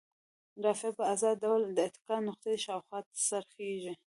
رافعه په ازاد ډول د اتکا نقطې شاوخوا څرخیږي.